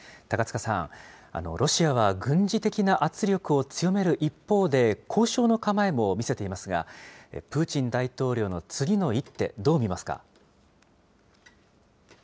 高塚さん、ロシアは軍事的な圧力を強める一方で、交渉の構えも見せていますが、プーチン大統領の次の一手、どう見ますか？